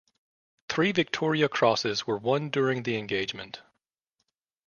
Three Victoria Crosses were won during the engagement.